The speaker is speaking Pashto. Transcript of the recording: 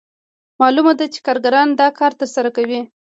معلومه ده چې کارګران دا کار ترسره کوي